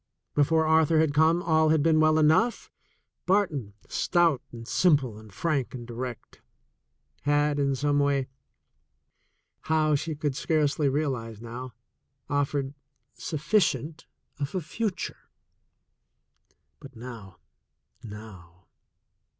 Before Arthur had comr^ll had been well enough. Barton, stout and simi..le and frank and direct, had in some way — how, she could scarcely realize now — offered sufficient of a future. But now, now